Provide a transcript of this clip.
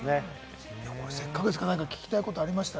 せっかくだから聞きたいことありますか？